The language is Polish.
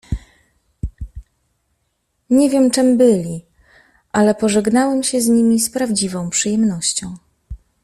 "Nie wiem, czem byli, ale pożegnałem się z nimi z prawdziwą przyjemnością."